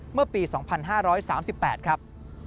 เมื่อปี๒๕๓๘ครับ